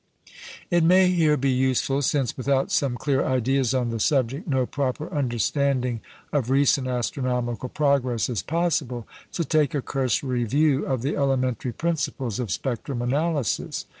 It may here be useful since without some clear ideas on the subject no proper understanding of recent astronomical progress is possible to take a cursory view of the elementary principles of spectrum analysis.